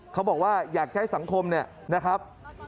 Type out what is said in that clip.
เขาบอกว่าอยากใช้สังคมนะครับ